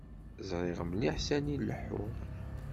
Ẓriɣ mliḥ sani leḥḥuɣ.